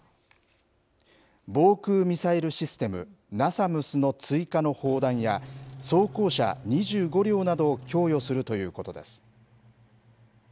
防空ミサイルシステム、ナサムスの追加の砲弾や、装甲車２５両などを供与するということです。